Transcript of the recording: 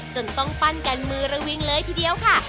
จนต้องปั้นกันมือระวิงเลยทีเดียวค่ะ